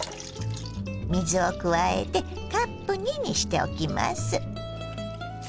水を加えてカップ２にしておきます。